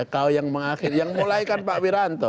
kau yang mengakhiri yang mulai kan pak wiranto